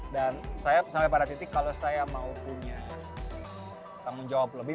dan saya sampai pada titik kalau saya mau punya tanggung jawab lebih